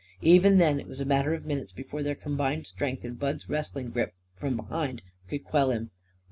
Even then it was a matter of minutes before their combined strength and Bud's wrestling grip, from behind, could quell him.